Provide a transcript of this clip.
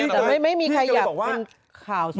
แต่ไม่มีใครอยากเป็นข่าวสิ